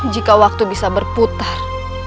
jika waktu bisa berputar